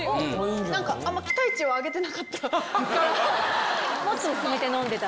なんかあんま期待値を上げていなもっと薄めて飲んでた。